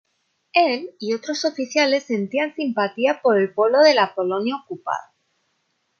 Él y otros oficiales sentían simpatía por el pueblo de la Polonia ocupada.